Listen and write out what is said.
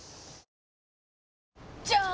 じゃーん！